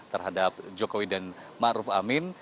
terhadap jokowi dan ma'ruf amin